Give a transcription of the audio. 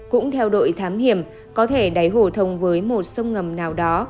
cũng theo đội thám hiểm có thể đáy hồ thông với một sông ngầm nào đó